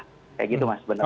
kayak gitu mas sebenarnya